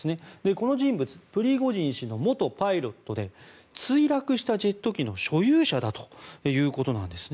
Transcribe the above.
この人物、プリゴジン氏の元パイロットで墜落したジェット機の所有者だということです。